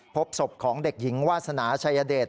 พบศพของเด็กหญิงวาสนาชัยเดช